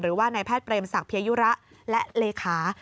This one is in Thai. หรือว่านายแพทย์เปรมศักดิยยุระและเลขา